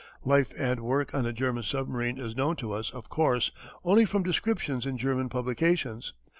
Life and work on a German submarine is known to us, of course, only from descriptions in German publications.